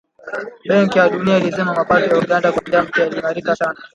Benki ya Dunia ilisema mapato ya Uganda kwa kila mtu yaliimarika sana